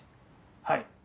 はい。